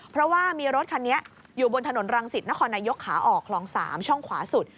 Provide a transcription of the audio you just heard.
เพราะว่ามีรถคันนี้อยู่บนถนนรังสิตนครนายกขาออกคลอง๓ช่องขวาสุด